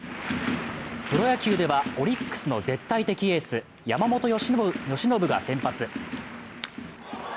プロ野球では、オリックスの絶対的エース、山本由伸が先発。